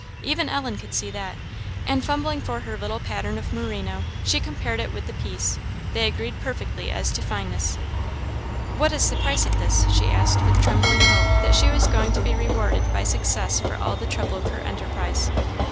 Even Ellen could see that, and fumbling for her little pattern of merino, she compared it with the piece. They agreed perfectly as to fineness. "What is the price of this?" she asked, with trembling hope that she was going to be rewarded by success for all the trouble of her enterprise.